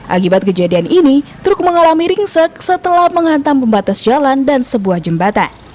akibat kejadian ini truk mengalami ringsek setelah menghantam pembatas jalan dan sebuah jembatan